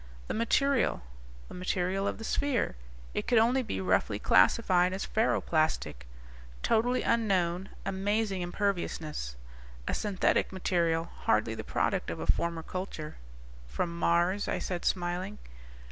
"The material ... the material of the sphere. It could only be roughly classified as ferro plastic. Totally unknown, amazing imperviousness. A synthetic material, hardly the product of a former culture." "From Mars?" I said, smiling.